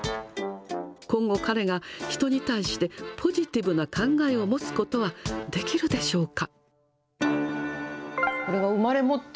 今後、彼が人に対してポジティブな考えを持つことはできるでしょうか。